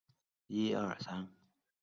科尼河畔丰特奈人口变化图示